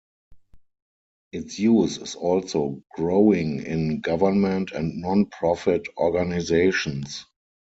Its use is also growing in government and non-profit organisations.